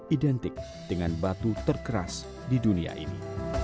identik dengan batu terkeras di dunia ini